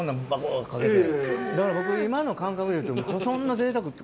だから僕今の感覚でいうとそんなぜいたく。